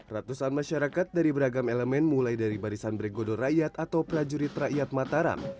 ratusan masyarakat dari beragam elemen mulai dari barisan bregodo rakyat atau prajurit rakyat mataram